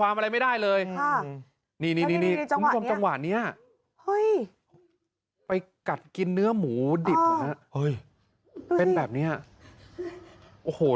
ไม่ได้เด็ก